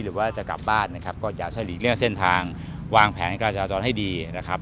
หรือว่าจะกลับบ้านนะครับก็อยากจะหลีกเลี่ยงเส้นทางวางแผนการจราจรให้ดีนะครับ